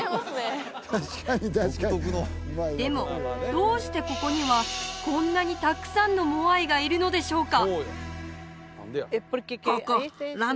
どうしてここにはこんなにたくさんのモアイがいるのでしょうか？